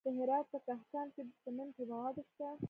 د هرات په کهسان کې د سمنټو مواد شته.